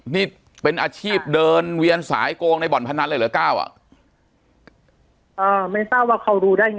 นี่เป็นอาชีพเดินเวียนสายโกงในบ่อนพระนั้นเลยเหรอเก้าอะ